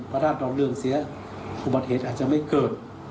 ราชดองเรื่องเสียอุบัติเหตุอาจจะไม่เกิด